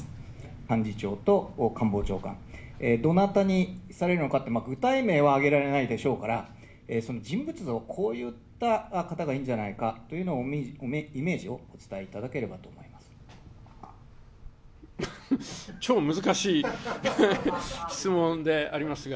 幹事長と官房長官、どなたにされるのかって、具体名は挙げられないでしょうから、その人物像、こういった方がいいんじゃないか、イメージをお伝えいただければと超難しい質問でありますが。